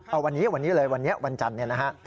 เอ้าวันนี้วันนี้เลยวันจันทร์นี้นะฮะ